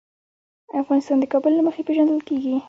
افغانستان د کابل له مخې پېژندل کېږي.